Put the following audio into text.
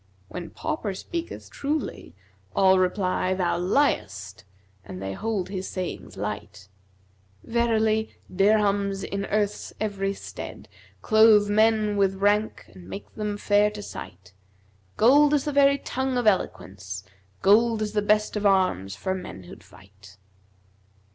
When pauper speaketh truly all reply * 'Thou liest;' and they hold his sayings light.[FN#237] Verily dirhams in earth's every stead * Clothe men with rank and make them fair to sight Gold is the very tongue of eloquence; * Gold is the best of arms for might who'd fight!'